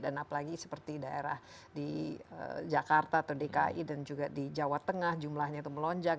dan apalagi seperti daerah di jakarta atau dki dan juga di jawa tengah jumlahnya itu melonjak